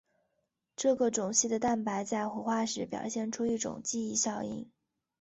这个种系的蛋白在活化时表现出一种记忆效应。